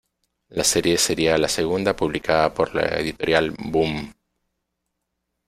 La serie sería la segunda publicada por la editorial Boom!